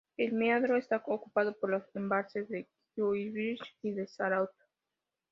El meandro está ocupado por los embalses de Kúibyshev y de Sarátov.